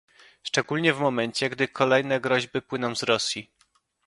Szczególnie w momencie, gdy kolejne groźby płyną z Rosji